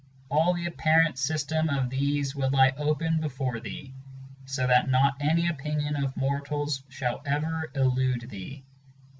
All the apparent system of these will I open before thee, So that not any opinion of mortals shall ever elude thee.